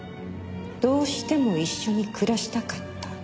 どうしても一緒に暮らしたかった。